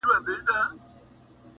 عالمه ښکلې خوندره مزېداره نه وه